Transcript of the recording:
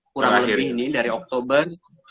kurang lebih ini dari oktober